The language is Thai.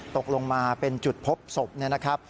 ตกลงมาเป็นจุดพบศพนะครับ